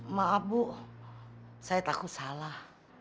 maaf bu saya takut salah